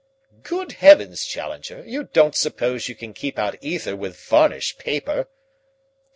"Good heavens, Challenger, you don't suppose you can keep out ether with varnished paper?"